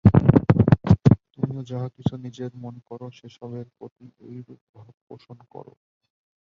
তুমিও যাহা কিছু তোমার নিজের মনে কর, সে-সবের প্রতি এইরূপ ভাব পোষণ কর।